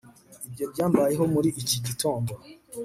Ibyo byambayeho muri iki gitondo